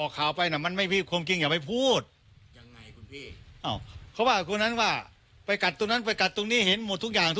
แล้วเดินมาพี่จึงมาดำไม่รู้